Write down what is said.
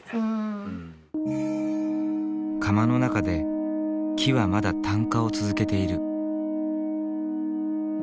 窯の中で木はまだ炭化を続けている。